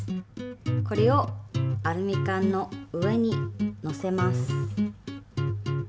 これをアルミ缶の上にのせます。